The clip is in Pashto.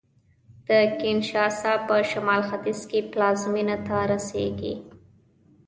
د کینشاسا په شمال ختیځ کې پلازمېنې ته رسېږي